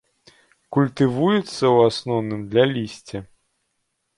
Культывуецца ў асноўным для лісця.